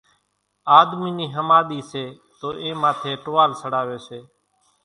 آۮمي نِي ۿماۮِي سي تو اين ماٿيَ ٽوال سڙاوي سي